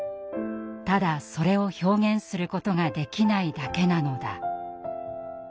ただそれを表現することができないだけなのだ」。